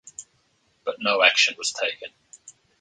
But no action was taken.